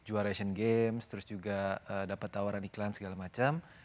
juara asian games terus juga dapat tawaran iklan segala macam